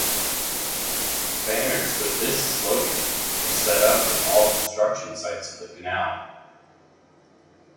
Banners with this slogan were set up in all construction sites of the canal.